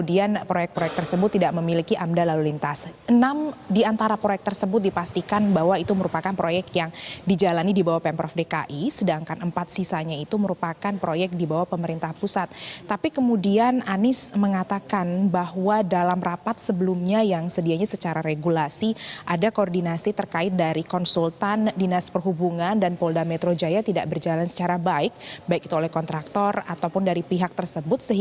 ibu ibu saya pak anies